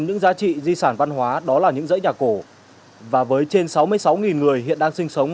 những giá trị di sản văn hóa đó là những dãy nhà cổ và với trên sáu mươi sáu người hiện đang sinh sống